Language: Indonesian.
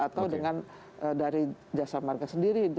atau dengan dari jasa marga sendiri